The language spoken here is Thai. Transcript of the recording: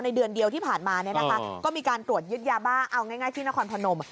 เดือนเดียวที่ผ่านมาเนี่ยนะคะก็มีการตรวจยึดยาบ้าเอาง่ายที่นครพนม